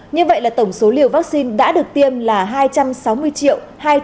như vậy là tổng số liều vaccine đã được tiêm là hai trăm sáu mươi hai trăm hai mươi tám hai trăm hai mươi bảy liều